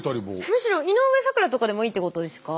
むしろイノウエサクラとかでもいいってことですか？